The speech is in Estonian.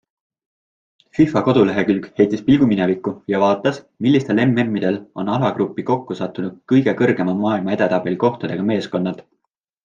FIFA kodulehekülg heitis pilgu minevikku ja vaatas, millistel MMidel on alagruppi kokku sattunud kõige kõrgema maailma edetabeli kohtadega meeskonnad.